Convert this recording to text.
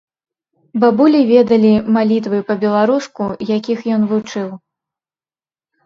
Бабулі ведалі малітвы па-беларуску, якіх ён вучыў.